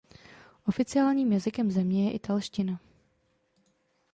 Oficiálním jazykem země je italština.